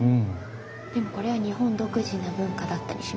でもこれは日本独自の文化だったりしますか？